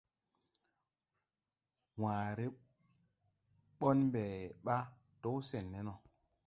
Waare ɓɔn mbe ɓaa do sen ne no.